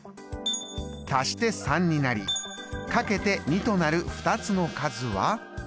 足して３になりかけて２となる２つの数は。